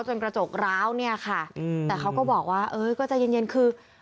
จนกระจกร้าวเนี่ยค่ะอืมแต่เขาก็บอกว่าเออก็จะเย็นเย็นคือ